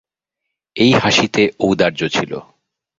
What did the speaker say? এই হাসিতে ঔদার্য ছিল।